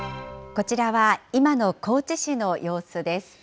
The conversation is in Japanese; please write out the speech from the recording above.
こちらは今の高知市の様子です。